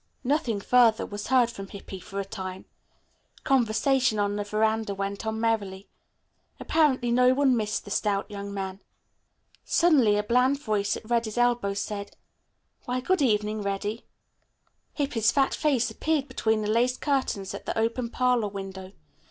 Nothing further was heard from Hippy for a time. Conversation on the veranda went on merrily. Apparently no one missed the stout young man. Suddenly a bland voice at Reddy's elbow said, "Why, good evening, Reddy." Hippy's fat face appeared between the lace curtains at the open parlor window.